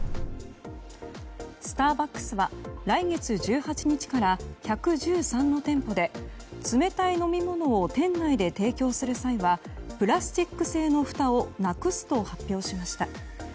スターバックスは来月１８日から１１３の店舗で冷たい飲み物を店内で提供する際はプラスチック製のふたをなくすと発表しました。